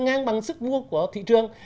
ngang bằng sức mua của thị trường